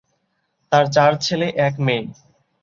তার চার ছেলে এক মেয়ে।